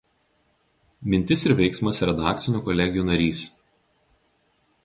Mintis ir veiksmas" redakcinių kolegijų narys.